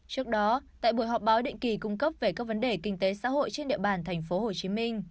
trước đó tại buổi họp báo định kỳ cung cấp về các vấn đề kinh tế xã hội trên địa bàn thành phố hồ chí minh